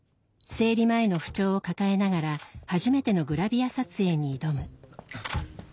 生理前の不調を抱えながら初めてのグラビア撮影に挑む。